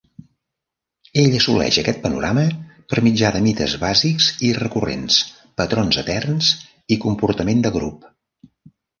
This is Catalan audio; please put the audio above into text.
Ell assoleix aquest panorama per mitjà de mites bàsics i recurrents, patrons eterns i comportament de grup.